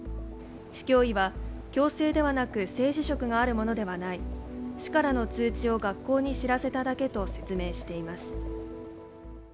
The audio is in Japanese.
市教委は、強制ではなく政治色があるものではない、市からの通知を学校に知らせただけと説明しています。